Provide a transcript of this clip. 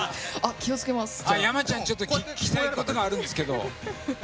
ｙａｍａさん聞きたいことがあるんですけど。